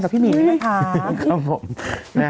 กับพี่หมีนนะคะ